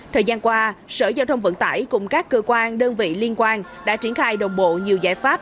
thời gian qua sở giao thông vận tải cùng các cơ quan đơn vị liên quan đã triển khai đồng bộ nhiều giải pháp